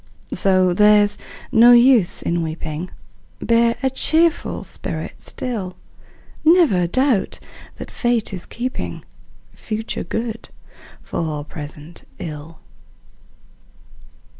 So there's no use in weeping, Bear a cheerful spirit still; Never doubt that Fate is keeping Future good for present ill!